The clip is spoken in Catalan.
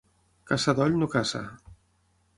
Ca sadoll no caça.